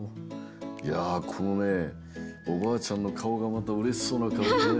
いやこのねおばあちゃんのかおがまたうれしそうなかおでねえ。